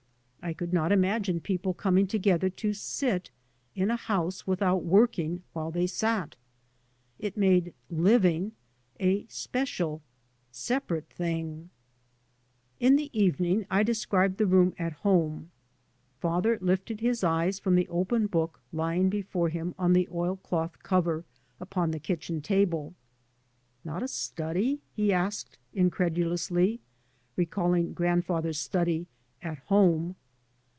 I could not imagine people coming together to sit in a house without working while they sat It made " living " a special, separate, thing. ... In the evening I described the room at home. Father lifted his eyes from the open book lying before him on the oil cloth cover upon the kitchen table. "Not a study?" he asked incredulously, recalling grand father's study " at home."